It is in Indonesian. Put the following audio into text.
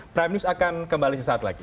prime news akan kembali sesaat lagi